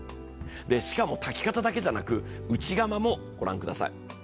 しかも炊き方だけじゃなく、内釜も御覧ください。